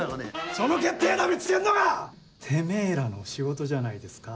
その決定打を見つけんのがてめぇらの仕事じゃないですか？